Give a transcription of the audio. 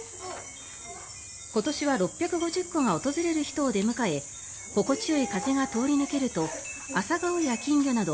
今年は６５０個が訪れる人を出迎え心地よい風が通り抜けるとアサガオや金魚など